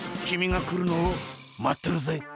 君がくるのをまってるぜ！